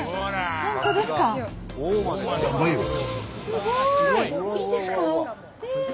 すごい！いいんですか！